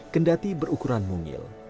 kendhati berukuran mungil